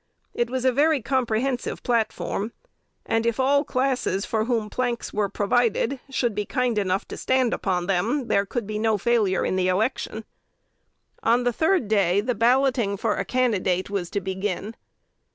It was a very comprehensive "platform;" and, if all classes for whom planks were provided should be kind enough to stand upon them, there could be no failure in the election. On the third day the balloting for a candidate was to begin.